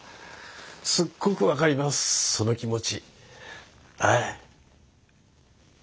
すっごく分かりますその気持ち。